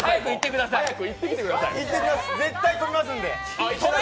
絶対飛びますんで。